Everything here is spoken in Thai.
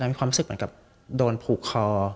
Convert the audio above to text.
มีความรู้สึกเหมือนกับโดนผูกคอ